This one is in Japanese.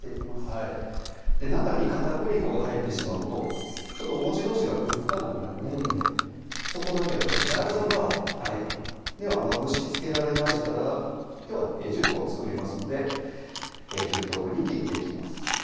はい中に片栗粉が入ってしまうとおもちどうしがくっつかなくなりますのでそこだけは注意して頂いてなるほどではまぶしつけられましたらきょうは１０個作りますので１０等分に切っていきます